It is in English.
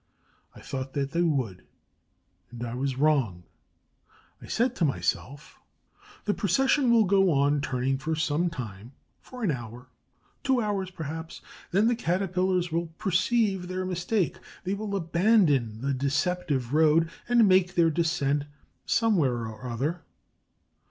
I thought that they would, and I was wrong. I said to myself: "The procession will go on turning for some time, for an hour, two hours perhaps; then the Caterpillars will perceive their mistake. They will abandon the deceptive road and make their descent somewhere or other."